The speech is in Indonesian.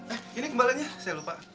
eh ini kembalinya saya lupa